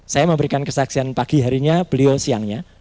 saya memberikan kesaksian pagi harinya beliau siangnya